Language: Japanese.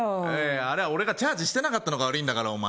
あれは俺がチャージしてなかったのが悪いんだから、お前。